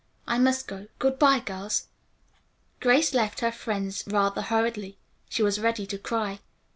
I must go. Good bye, girls." Grace left her friends rather hurriedly. She was ready to cry.